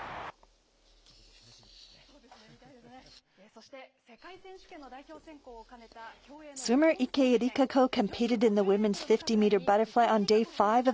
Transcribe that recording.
そして世界選手権の代表選考を兼ねた競泳の日本選手権。